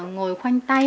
ngồi khoanh tay